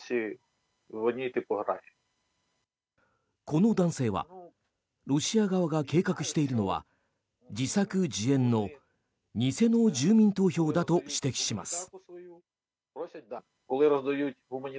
この男性はロシア側が計画しているのは自作自演の偽の住民投票だと指摘します。